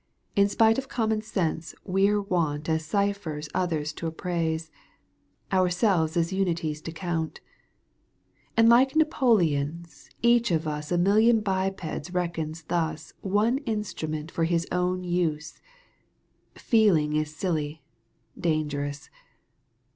In spite of common sense we're wont As cyphers others to appraise, Ourselves as imities to count ; And like Napoleons each of us A million bipeds reckons thus One instrument for his own use —' Feeling is siUy, dangerous.